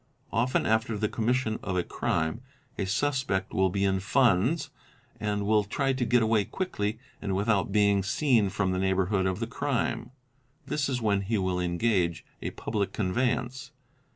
Often after the commission of a erime, a suspect will be in funds and will try to get away quickly and without being seen from the neighbourhood of the crime. This is when he will engage a public conveyance.